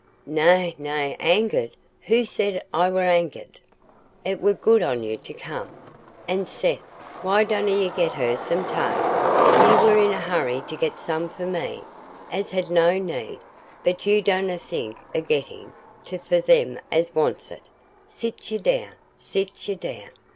"Nay, nay; angered! who said I war angered? It war good on you to come. An' Seth, why donna ye get her some tay? Ye war in a hurry to get some for me, as had no need, but ye donna think o' gettin' 't for them as wants it. Sit ye down; sit ye down.